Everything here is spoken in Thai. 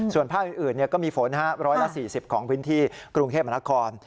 ส่วนภาคอื่นก็มีฝน๑๔๐ของพื้นที่กรุงเทพมนาคม